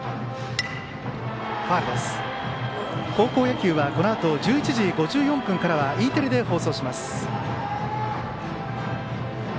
高校野球は、このあと１１時５４分からはＥテレで放送します。